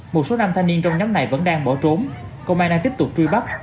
một số nam thanh niên trong nhóm này vẫn đang bỏ trốn công an đang tiếp tục truy bắt